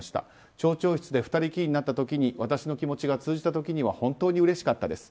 町長室で２人きりになった時に私の気持ちが通じた時には本当にうれしかったです。